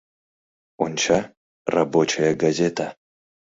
Онча: «Рабочая газета».